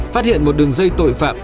phát hiện một đường dây tội phạm